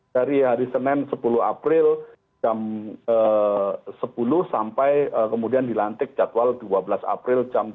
dari hari senin sepuluh april jam sepuluh sampai kemudian dilantik jadwal dua belas april jam tiga